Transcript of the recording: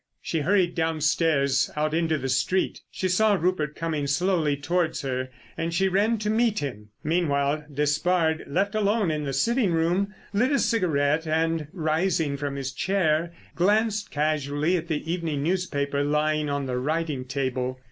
She hurried downstairs out into the street. She saw Rupert coming slowly towards her and she ran to meet him. Meanwhile, Despard left alone in the sitting room, lit a cigarette, and rising from his chair glanced casually at the evening newspaper lying on the writing table.